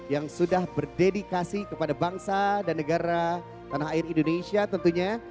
yang sudah berdedikasi kepada bangsa dan negara tanah air indonesia tentunya